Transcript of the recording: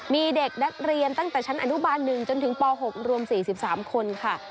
มีเด็กนักเรียนตั้งแต่ชั้นอนุบาล๑จนถึงป๖รวม๔๓คนค่ะ